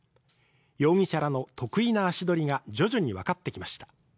容疑者らの特異な足取りが徐々に分かってきました。